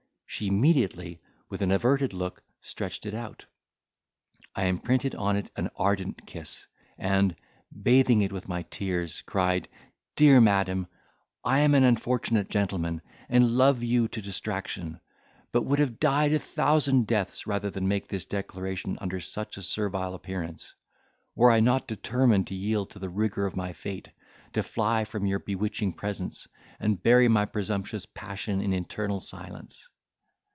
She immediately, with an averted look, stretched it out: I imprinted on it an ardent kiss, and, bathing it with my tears, cried, "Dear Madam, I am an unfortunate gentleman, and love you to distraction, but would have died a thousand deaths rather than make this declaration under such a servile appearance, were I not determined to yield to the rigour of my fate, to fly from your bewitching presence, and bury my presumptuous passion in eternal silence."